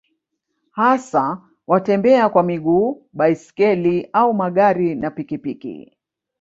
hasa watembea kwa miguu baiskeli au magari na pikipiki